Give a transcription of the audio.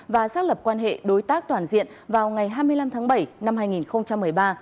và xác lập quan hệ đối tác toàn diện vào ngày hai mươi năm tháng bảy năm hai nghìn một mươi ba